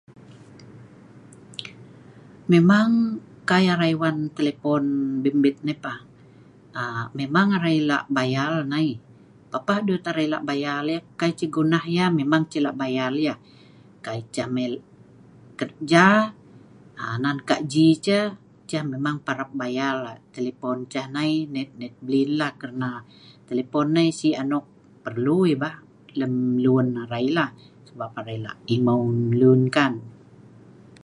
Memang kai arai wan telpon bimbit naipah, aaa memang arai lah' bayar nai, papah dut arai lah' bayar yah kai ceh gunah yah memang ceh lah' bayal yah. Kai ceh mai keja aa nan gaji ceh, ceh memang parap bayal telpon Ceh nai net-net blinlah kalna telpon nai si anok pelu yah bah lem lun arai bah Nan arai imeu' lun kan